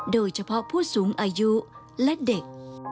โดยเฉพาะผู้สูงอายุและเด็ก